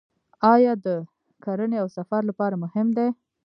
دا د کرنې او سفر لپاره مهم دی.